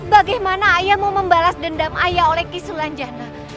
bagaimana ayah mau membalas dendam ayah oleh pisul anjana